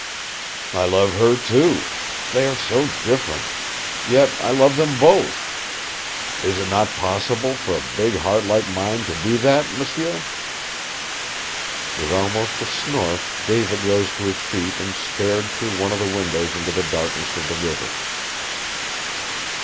"I love her, too. They are so different. Yet I love them both. Is it not possible for a big heart like mine to do that, m'sieu?" With almost a snort David rose to his feet and stared through one of the windows into the darkness of the river.